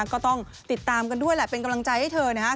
ก็ต้องติดตามกันด้วยแหละเป็นกำลังใจให้เธอนะครับ